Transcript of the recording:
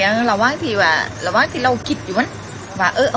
สุดท้ายสุดท้ายสุดท้ายสุดท้าย